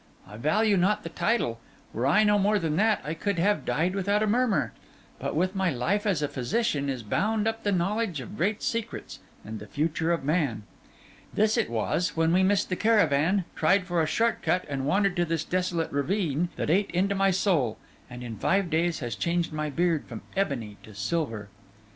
I value not the title. Were I no more than that, I could have died without a murmur. But with my life as a physician is bound up the knowledge of great secrets and the future of man. This it was, when we missed the caravan, tried for a short cut and wandered to this desolate ravine, that ate into my soul, and, in five days, has changed my beard from ebony to silver.